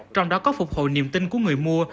trong đó có phục hồi niềm tin của người mua